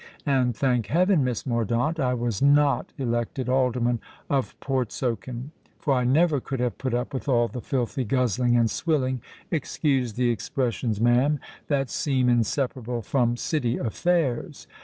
And, thank heaven! Miss Mordaunt, I was not elected Alderman of Portsoken; for I never could have put up with all the filthy guzzling and swilling—excuse the expressions, ma'am—that seem inseparable from City affairs.